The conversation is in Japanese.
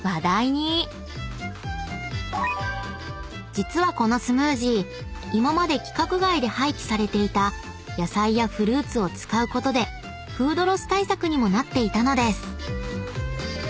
［実はこのスムージー今まで規格外で廃棄されていた野菜やフルーツを使うことでフードロス対策にもなっていたのです］